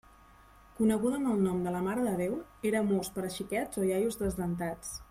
Coneguda amb el nom de la marededéu, era mos per a xiquets o iaios desdentats.